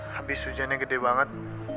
habis hujannya gede banget